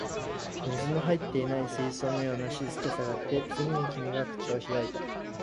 水の入っていない水槽のような静けさがあって、次に君が口を開いた